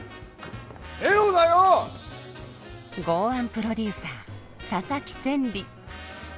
豪腕プロデューサー佐々木千里。